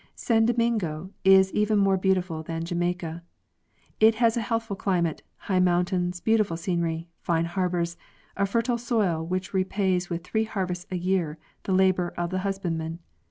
San Domingo is even more beautiful than Jamaica. It has a healthful chmate, high mountains, beautiful scenery, fine harbors, a fertile soil which repays with three harvests a year the labor of the husbandman.